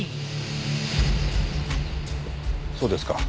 そうですか。